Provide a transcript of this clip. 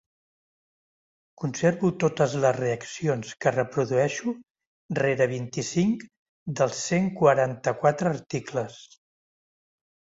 Conservo totes les reaccions que reprodueixo rere vint-i-cinc dels cent quaranta-quatre articles.